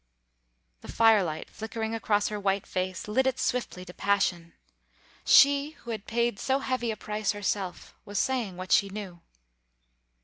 The firelight, flickering across her white face, lit it swiftly to passion. She, who had paid so heavy a price herself, was saying what she knew.